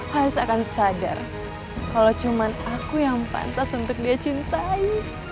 harus akan sadar kalau cuma aku yang pantas untuk dia cintai